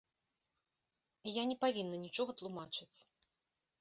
І я не павінна нічога тлумачыць.